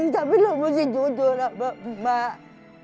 tapi lu mesti jujur lah mak